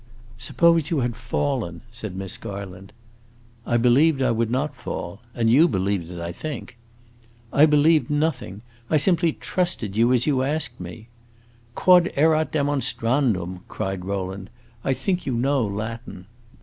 "Suppose you had fallen," said Miss Garland. "I believed I would not fall. And you believed it, I think." "I believed nothing. I simply trusted you, as you asked me." "Quod erat demonstrandum!" cried Rowland. "I think you know Latin."